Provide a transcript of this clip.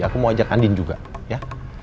aku mau ajak andin juga ya